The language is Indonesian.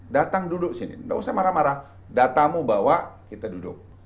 datang duduk sini nggak usah marah marah datamu bawa kita duduk